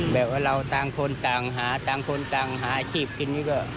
แบบว่าเราต่างคนต่างหาต่างคนต่างหาอาชีพกินนี่ก็